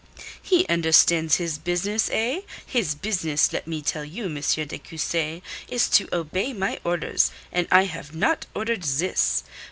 "He understands his business, eh? His business, let me tell you, M. de Cussy, is to obey my orders, and I have not ordered this.